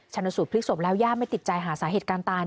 ชนสูตรพลิกศพแล้วย่าไม่ติดใจหาสาเหตุการณ์ตาย